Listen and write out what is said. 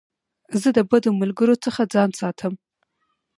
زه د بدو ملګرو څخه ځان ساتم.